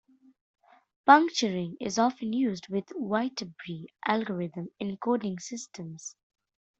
Puncturing is often used with the Viterbi algorithm in coding systems.